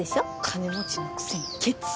金持ちのくせにケチ。